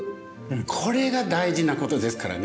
これが大事なことですからね。